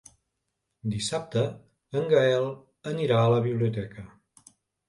Dissabte en Gaël anirà a la biblioteca.